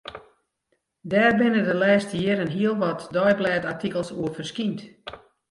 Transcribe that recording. Dêr binne de lêste jierren hiel wat deiblêdartikels oer ferskynd.